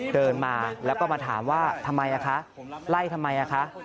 เดินมาแล้วก็มาถามว่าทำไมคะไล่ทำไมอ่ะคะ